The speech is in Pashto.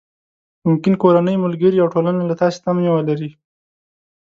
ممکن کورنۍ، ملګري او ټولنه له تاسې تمې ولري.